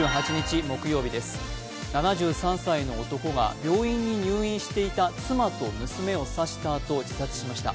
７３歳の男が病院に入院していた妻と娘を刺したあと自殺しました。